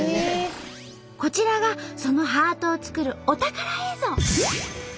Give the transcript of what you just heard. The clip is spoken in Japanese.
こちらがそのハートを作るお宝映像。